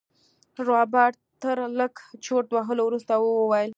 رابرټ تر لږ چورت وهلو وروسته وويل.